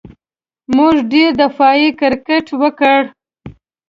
موږ ډېر دفاعي کرېکټ وکړ.